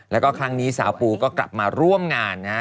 แล้วก็ครั้งนี้สาวปูก็กลับมาร่วมงานนะฮะ